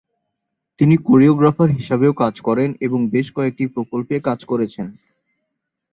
তিনি কোরিওগ্রাফার হিসাবেও কাজ করেন এবং বেশ কয়েকটি প্রকল্পে কাজ করেছেন।